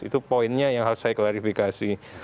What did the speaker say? itu poinnya yang harus saya klarifikasi